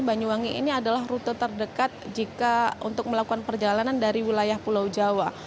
banyuwangi ini adalah rute terdekat jika untuk melakukan perjalanan dari wilayah pulau jawa